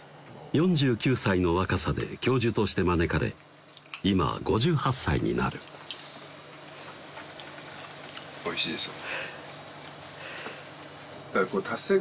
４９歳の若さで教授として招かれ今５８歳になるおいしいですよ